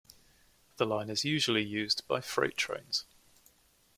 The line is usually used by freight trains.